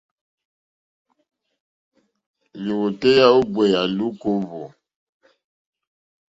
Lìwòtéyá ó gbèyà lùúkà ó hwò.